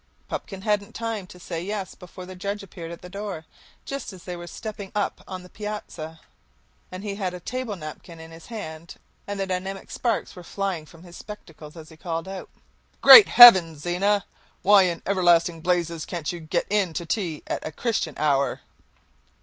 Pupkin hadn't had time to say yes before the judge appeared at the door, just as they were stepping up on to the piazza, and he had a table napkin in his hand and the dynamite sparks were flying from his spectacles as he called out: "Great heaven! Zena, why in everlasting blazes can't you get in to tea at a Christian hour?"